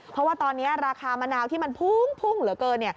เพราะว่าตอนนี้ราคามะนาวที่มันพุ่งเหลือเกิน